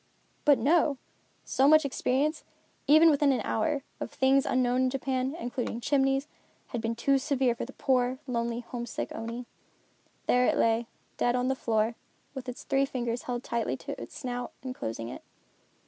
But no! So much experience, even within an hour, of things unknown in Japan, including chimneys, had been too severe for the poor, lonely, homesick Oni. There it lay dead on the floor, with its three fingers held tightly to its snout and closing it.